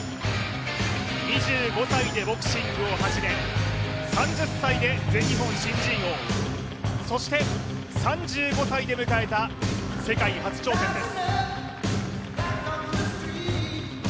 ２５歳でボクシングを始め３０歳で全日本新人王、そして３５歳で迎えた世界初挑戦です。